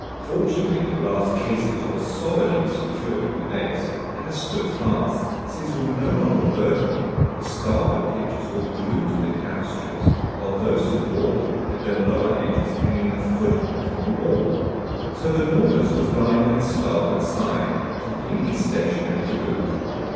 Fortunately the glass cases were solidly secured at the base and had stood fast. Since we were no longer vertical, the starboard pictures were glued to the tapestries, while those to port had their lower edges hanging a foot away from the wall. So the Nautilus was lying on its starboard side, completely stationary to boot.